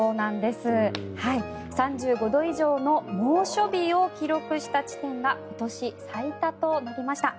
３５度以上の猛暑日を記録した地点が今年最多となりました。